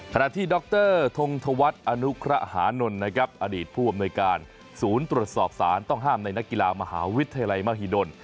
ที่ดรทงธวัฒน์อนุคระหานนท์นะครับอดีตผู้อำนวยการศูนย์ตรวจสอบสารต้องห้ามในนักกีฬามหาวิทยาลัยมหิดล